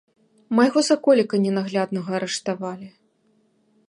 Майго саколіка ненагляднага арыштавалі.